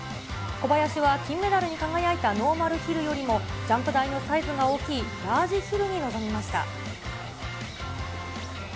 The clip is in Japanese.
小林は金メダルに輝いたノーマルヒルよりもジャンプ台のサイズが大きいラージヒルに臨みました。